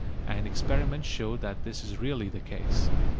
And experiments show that this is really the case.